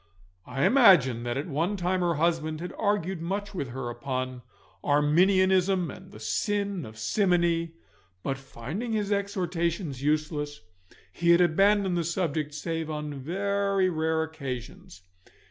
I imagine that at one time her husband had argued much with her upon Arminianism and the sin of simony, but finding his exhortations useless, he had abandoned the subject save on very rare occasions.